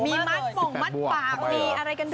มีมัดปงมัดปากมีอะไรกันบ้าง